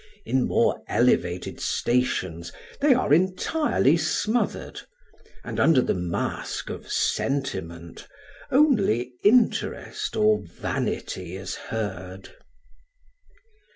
In more elevated stations they are entirely smothered, and under the mask of sentiment, only interest or vanity is heard.